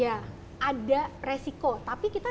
ada resiko tapi kita